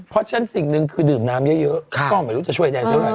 เพราะฉะนั้นสิ่งหนึ่งคือดื่มน้ำเยอะก็ไม่รู้จะช่วยได้เท่าไห